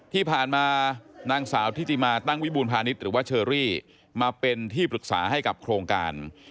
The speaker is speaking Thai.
ที่ผ่านมานางสาวทิติมาตั้งวิบูรพาณิชย์หรือว่าเชอรี่มาเป็นที่ปรึกษาให้กับโครงการ